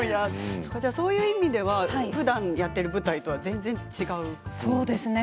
そういう意味ではふだんやっている舞台とは全然違うんですね。